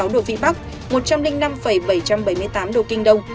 độ vị bắc một trăm linh năm bảy trăm bảy mươi tám độ kinh đông